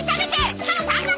しかも３箱！